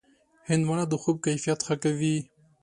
هندوانه د خوب کیفیت ښه کوي.